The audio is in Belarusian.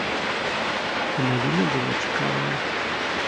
А навіна была цікавая.